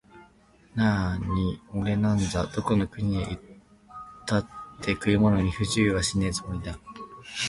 なあにおれなんざ、どこの国へ行ったって食い物に不自由はしねえつもりだ